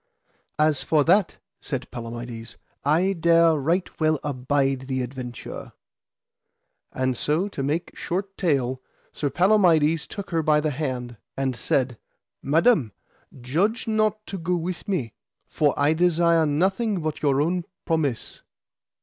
As for that, said Palamides, I dare right well abide the adventure. And so, to make short tale, Sir Palamides took her by the hand and said: Madam, grudge not to go with me, for I desire nothing but your own promise.